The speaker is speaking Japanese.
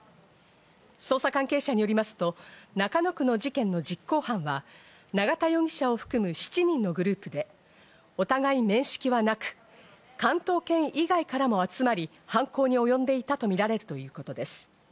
捜査関係者によりますと中野区の事件の実行犯は永田容疑者を含む７人のグループでお互い面識はなく、関東圏以外からも集まり、犯行におよんでいたということです。